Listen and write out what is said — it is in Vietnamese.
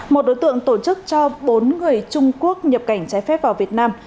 một đối tượng tổ chức cho bốn người trung quốc nhập cảnh trái phép vào việt nam